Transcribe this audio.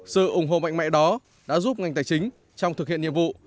sự ủng hộ mạnh mẽ đó đã giúp ngành tài chính trong thực hiện nhiệm vụ